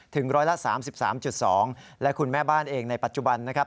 ถึงร้อยละ๓๓๒และคุณแม่บ้านเองในปัจจุบันนะครับ